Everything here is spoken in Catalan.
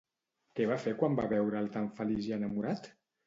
Què va fer quan va veure'l tan feliç i enamorat?